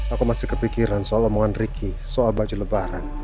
aku masih kepikiran soal omongan ricky soal baju lebaran